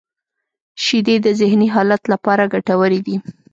• شیدې د ذهنی حالت لپاره ګټورې دي.